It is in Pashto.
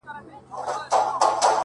سپينه كوتره په هوا كه او باڼه راتوی كړه-